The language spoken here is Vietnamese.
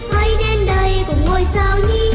hãy đên đầy cũng ngồi sao nhi